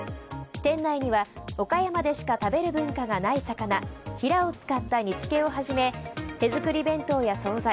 店内には岡山でしか食べる文化がない魚ヒラを使った煮つけをはじめ手作り弁当や総菜